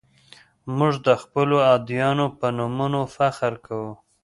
موږ د خپلو ادیبانو په نومونو فخر کوو.